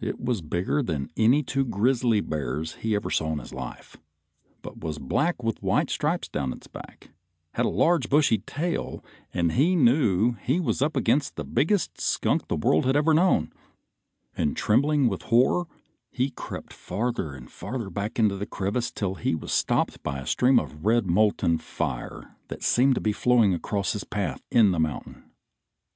It was bigger than any two grizzly bears he ever saw in his life, but was black with white stripes down its back, had a large bushy tail, and he knew he was up against the biggest skunk the world had ever known, and trembling with horror he crept farther and farther back into the crevice till he was stopped by a stream of red molten fire that seemed to be flowing across his path in the mountain.